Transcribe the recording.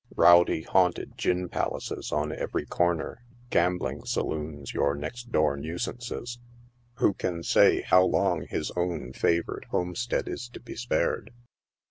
Rowdy haunted gin palaces on every corner, gambling saloons your next door nuisances, who can say how Ions his own favored home 10 NIGHT SIDE OF NEW YORK. stead is to be spared